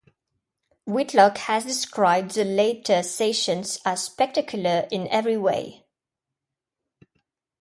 Whitlock has described the latter sessions as "spectacular in every way".